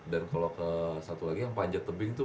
dan kalau ke satu lagi yang panjattebing tuh